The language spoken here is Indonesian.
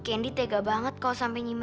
candy tega banget kalau sampai nyimme